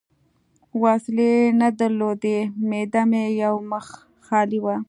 وسلې نه درلودې، معده مې یو مخ خالي وه.